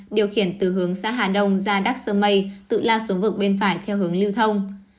điều khiển từ hướng xã hà đông ra đắc sơ mây tự lao xuống vực bên phải theo hướng lưu thông